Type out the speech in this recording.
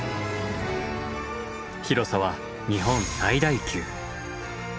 広さは日本最大級。